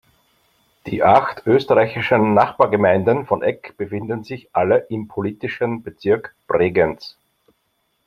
Die acht österreichischen Nachbargemeinden von Egg befinden sich alle im politischen Bezirk Bregenz.